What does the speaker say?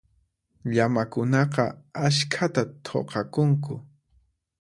Llamakunaqa askhata thuqakunku.